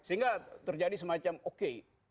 sehingga terjadi semacam oke